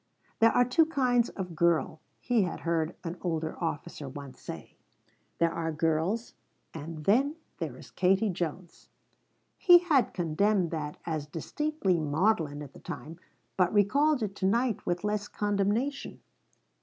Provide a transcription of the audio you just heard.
"There are two kinds of girl," he had heard an older officer once say. "There are girls, and then there is Katie Jones." He had condemned that as distinctly maudlin at the time, but recalled it to night with less condemnation.